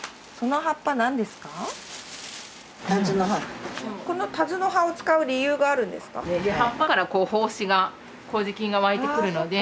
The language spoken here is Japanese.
葉っぱから胞子が麹菌が湧いてくるので。